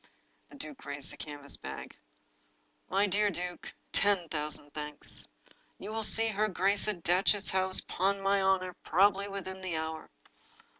The duke raised the canvas bag. "My dear duke, ten thousand thanks! You shall see her grace at Datchet House, 'pon my honor, probably within the hour."